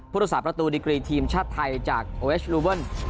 พุทธศาสตร์ประตูดีกรีทีมชาติไทยจากโอเอชรูเบิ้ล